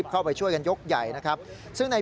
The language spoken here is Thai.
แบบว่าสัก๕๐เซนต์